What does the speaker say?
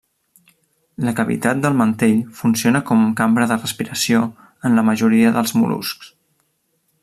La cavitat del mantell funciona com cambra de respiració en la majoria dels mol·luscs.